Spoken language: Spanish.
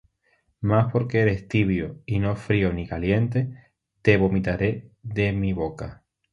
Mas porque eres tibio, y no frío ni caliente, te vomitaré de mi boca.